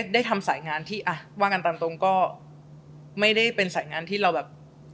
ได้ทำสายงานที่ไม่เป็นสายงานท์ที่เราแบบ